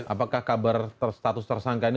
apakah kabar terstatus tersangka ini